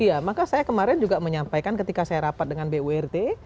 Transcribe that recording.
iya maka saya kemarin juga menyampaikan ketika saya rapat dengan burt